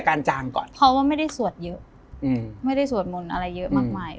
จางก่อนเพราะว่าไม่ได้สวดเยอะอืมไม่ได้สวดมนต์อะไรเยอะมากมาย